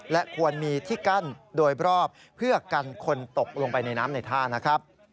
และควรมีที่กั้นโดยรอบเพื่อกันคนตกลงไปในน้ำในท่านะครับ